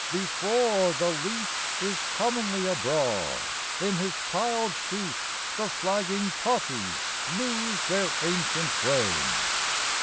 Before the leaf Is commonly abroad, in his piled sheaf The flagging poppies lose their ancient flame.